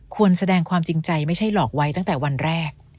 แสดงความจริงใจไม่ใช่หลอกไว้ตั้งแต่วันแรก